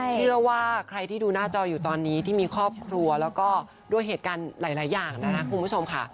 เชื่อว่าใครที่ดูหน้าจออยู่ตอนนี้ที่มีครอบครัวแล้วก็ด้วยเหตุการณ์หลายอย่างนะครับคุณผู้ชมค่ะ